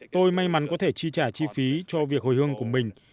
tôi may mắn có thể chi trả chi phí cho việc hồi hương của mình